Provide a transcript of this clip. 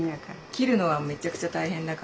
切るのはめちゃくちゃ大変だから。